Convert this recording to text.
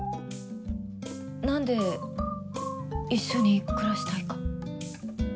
何で一緒に暮らしたいか。